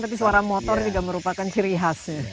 tapi suara motor juga merupakan ciri khasnya